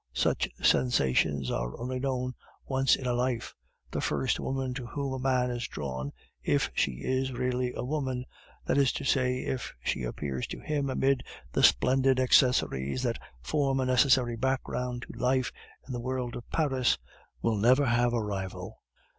Such sensations are only known once in a life. The first woman to whom a man is drawn, if she is really a woman that is to say, if she appears to him amid the splendid accessories that form a necessary background to life in the world of Paris will never have a rival.